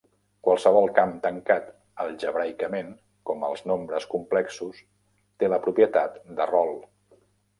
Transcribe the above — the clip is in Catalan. Qualsevol camp tancat algebraicament com els nombres complexos té la propietat de Rolle.